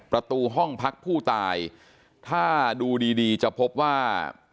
ประตูห้องพักผู้ตายถ้าดูดีดีจะพบว่า